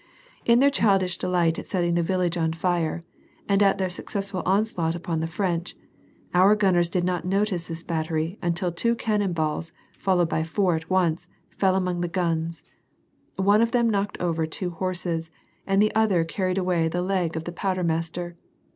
In their childish delight at setting the village on fire, and at their successful onslaught upon the French, our gunners did not notice this battery until two cannon balls, followed by four at once, fell among the gims ; one of them knocked over two horses, and the other carried away the leg of the i)owder mas cer.